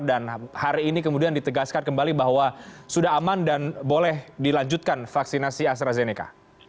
dan hari ini kemudian ditegaskan kembali bahwa sudah aman dan boleh dilanjutkan vaksinasi astrazeneca